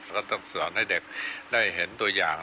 ก็ต้องสอนให้เด็กได้เห็นตัวอย่าง